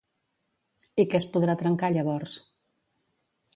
I què es podrà trencar llavors?